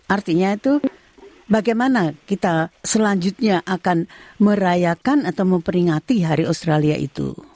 artinya itu bagaimana kita selanjutnya akan merayakan atau memperingati hari australia itu